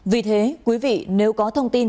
vì thế quý vị nếu có thông tin